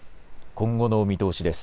今後の見通しです。